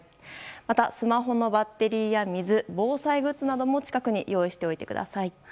また、スマホのバッテリーや水防災グッズなども近くに用意しておいてください。